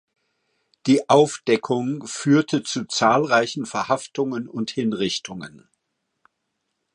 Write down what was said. Die „Aufdeckung“ führte zu zahlreichen Verhaftungen und Hinrichtungen.